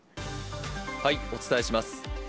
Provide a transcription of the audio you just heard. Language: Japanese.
お伝えします。